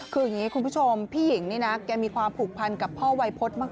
คืออย่างนี้คุณผู้ชมพี่หญิงนี่นะแกมีความผูกพันกับพ่อวัยพฤษมาก